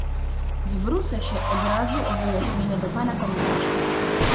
Zwrócę się od razu o wyjaśnienie do pana komisarza